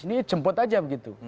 ini jemput aja begitu